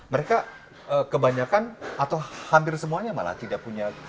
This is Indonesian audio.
mereka kebanyakan atau hampir semuanya malah tidak punya